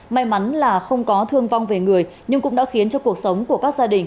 may mắn là không có thương vong về người nhưng cũng đã khiến cho cuộc sống của các gia đình